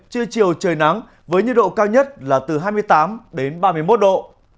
trưa chiều trời nắng với nhiệt độ cao nhất là từ hai mươi tám đến ba mươi một độ